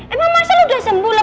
emang masa lu udah sembuh lah